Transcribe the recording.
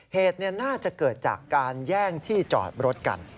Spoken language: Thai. เหตุน่าจะเกิดจากการแย่งที่จอดรถกัน